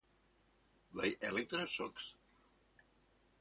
Vai elektrošoks?